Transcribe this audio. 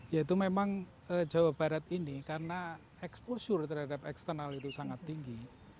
yaitu memang jawa barat ini karena exposure terhadap eksternal itu sangat tinggi